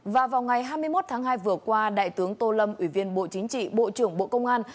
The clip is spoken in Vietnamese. và vào ngày hai mươi một tháng hai vừa qua đại tướng tô lâm ủy viên bộ chính trị bộ trưởng bộ công an